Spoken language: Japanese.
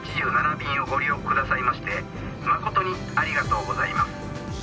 便をご利用くださいまして誠にありがとうございます。